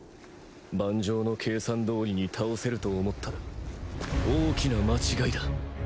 盤上の計算どおりに倒せると思ったら大きな間違いだ。